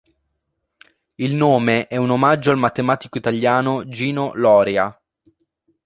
Il nome è un omaggio al matematico italiano Gino Loria.